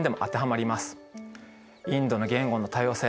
インドの言語の多様性。